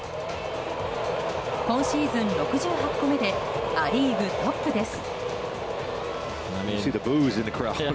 今シーズン６８個目でア・リーグトップです。